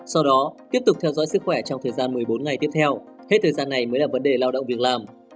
sau đó tiếp tục theo dõi sức khỏe trong thời gian một mươi bốn ngày tiếp theo hết thời gian này mới là vấn đề lao động việc làm